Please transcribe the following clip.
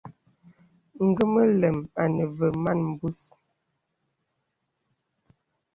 Nge mə lə̀m āne və mān mbūs.